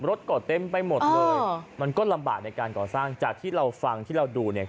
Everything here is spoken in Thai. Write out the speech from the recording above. ก่อเต็มไปหมดเลยมันก็ลำบากในการก่อสร้างจากที่เราฟังที่เราดูเนี่ย